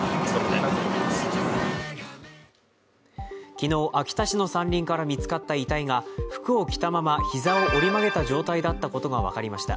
昨日、秋田市の山林から見つかった遺体が服を着たまま膝を折り曲げた状態だったことが分かりました。